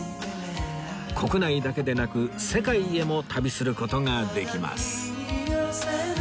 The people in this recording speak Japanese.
国内だけでなく世界へも旅する事ができます